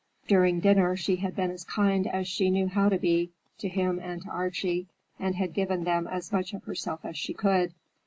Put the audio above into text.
During dinner she had been as kind as she knew how to be, to him and to Archie, and had given them as much of herself as she could.